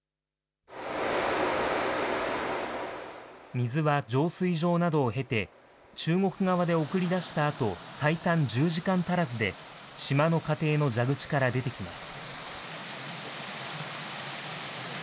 水は浄水場などを経て、中国側で送り出したあと、最短１０時間足らずで、島の家庭の蛇口から出てきます。